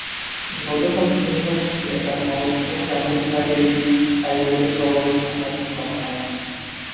গতকাল শনিবার সকালে তাঁর মরদেহ গ্রামের বাড়ির পারিবারিক কবরস্থানে দাফন করা হয়।